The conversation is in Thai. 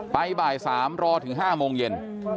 บ่าย๓รอถึง๕โมงเย็น